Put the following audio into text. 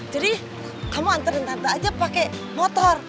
jadi kamu anterin tante aja pakai motor